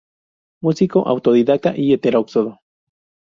Músico autodidacta y heterodoxo.